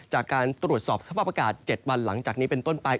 จากการตรวจสอบสภาพอากาศ๗วันหลังจากนี้เป็นต้นไป